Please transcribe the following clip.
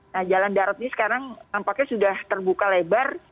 nah jalan darat ini sekarang nampaknya sudah terbuka lebar